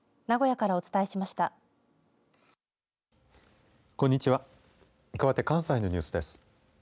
かわって、関西のニュースです。